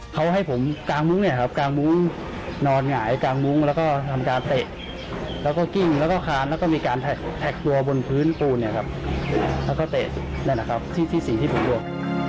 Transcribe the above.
กลางมุ้งนอนหงายและเตะและกิ้งและค้านและมีการแท็กตัวบนพื้นปูนและก็เตะได้นะครับที่สิ่งที่ผมร่วม